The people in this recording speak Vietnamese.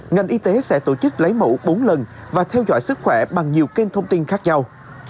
ngành y tế sẽ tổ chức lấy mẫu bốn lần và theo dõi sức khỏe bằng nhiều kênh thông tin khác nhau